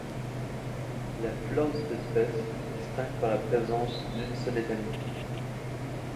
La fleur de cette espèce se distingue par la présence d'une seule étamine.